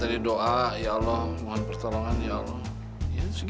ayo kesini tempatnya apa sih